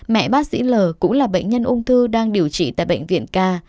mẹ bác sĩ l cũng là bệnh nhân ung thư đang điều trị tại bệnh viện ca